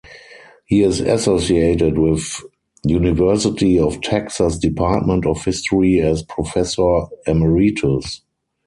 He is associated with University of Texas’ Department of History as Professor Emeritus.